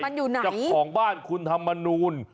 มันอยู่ไหนเจ้าของบ้านคุณธรรมนูล